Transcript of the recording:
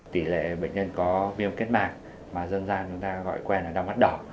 tỷ lệ bệnh nhân có viêm kết mạng mà dân gian chúng ta gọi quen là đau mắt đỏ